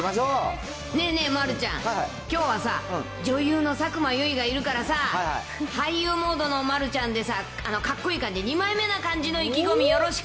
ねえねえ、丸ちゃん、きょうはさ、女優の佐久間由衣がいるからさ、俳優モードの丸ちゃんで、かっこいい感じで、二枚目な感じの意気込み、よろしく！